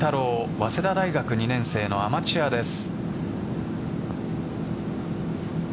早稲田大学２年生のアマチュアです。